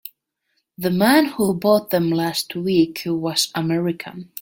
The man who bought them last week was American.